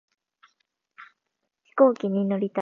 飛行機に乗りたい